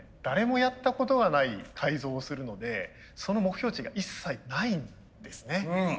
誰もやったことがない改造をするのでその目標値が一切ないんですね。